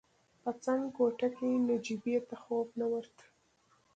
په څنګ کوټې کې نجيبې ته خوب نه ورته.